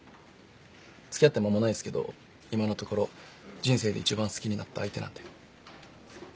付き合って間もないっすけど今のところ人生で一番好きになった相手なんで。